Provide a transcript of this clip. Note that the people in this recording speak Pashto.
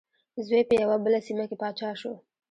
زوی په یوه بله سیمه کې پاچا شو.